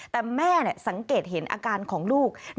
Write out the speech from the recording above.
แต่แม่สังเกตเห็นอาการของลูก